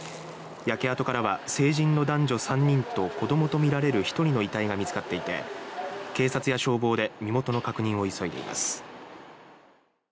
焼け跡からは成人の男女３人と子どもとみられる１人の遺体が見つかっていて警察や消防で身元の確認を急いでいます。